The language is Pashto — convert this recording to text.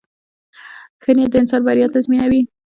• ښه نیت د انسان بریا تضمینوي.